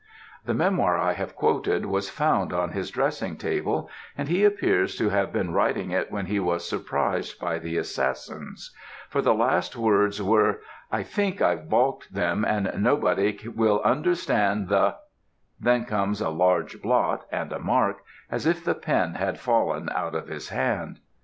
"The memoir I have quoted was found on his dressing table, and he appears to have been writing it when he was surprised by the assassins; for the last words were 'I think I've baulked them, and nobody will understand the ' then comes a large blot and a mark, as if the pen had fallen out of his hand.